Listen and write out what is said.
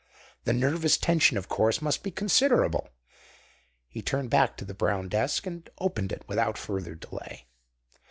The nervous tension, of course, must be considerable." He turned back to the brown desk and opened it without further delay.